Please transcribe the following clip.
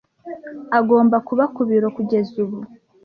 Agomba kuba ku biro kugeza ubu.